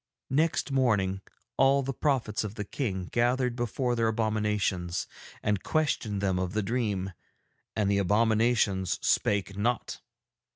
Next morning all the prophets of the King gathered before their abominations and questioned them of the dream, and the abominations spake not.